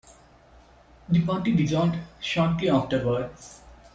The party dissolved shortly afterwards.